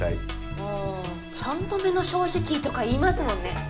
ああ「三度目の正直」とか言いますもんね。